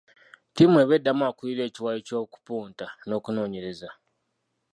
Ttiimu ebeddamu akulira ekiwayi ky’okupunta n’okunoonyereza.